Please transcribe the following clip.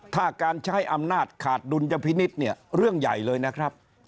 ถ้าการใช้อำนาจขาดดุลยพินิษฐ์เนี่ยเรื่องใหญ่เลยนะครับ